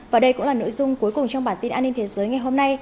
và đây cũng là nội dung cuối cùng trong bản tin an ninh thế giới ngày hôm nay